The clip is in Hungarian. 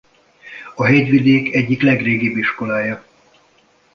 A Hegyvidék egyik legrégibb iskolája.